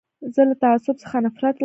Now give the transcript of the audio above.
زه له تعصب څخه نفرت لرم.